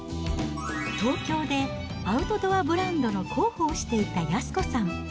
東京でアウトドアブランドの広報をしていた靖子さん。